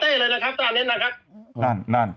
ติดต่อสตเต้เลยนะครับตอนนี้นะครับ